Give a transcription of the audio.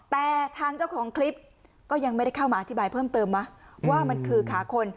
แต่ทางเจ้าของคลิปก็ยังไม่ได้เข้ามาอธิบายเพิ่มเติมนะว่ามันคือขาคน